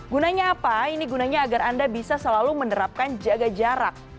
gunanya apa ini gunanya agar anda bisa selalu menerapkan jaga jarak